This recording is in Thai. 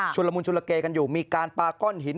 ละมุนชุลเกกันอยู่มีการปาก้อนหิน